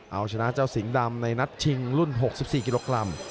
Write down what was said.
เอาชนะเจ้าสิงห์ดำในนัดชิงรุ่น๖๔กิโลกรัม